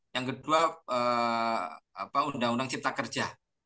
yang kedua undang undang cipta kerja